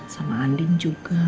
sama anding juga